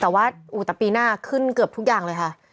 แต่ว่าแต่ปีหน้าขึ้นเกือบทุกอย่างเลยค่ะ